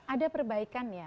ada perbaikan ya